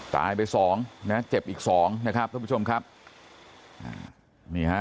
ตายไปสองนะเจ็บอีกสองนะครับท่านผู้ชมครับอ่านี่ฮะ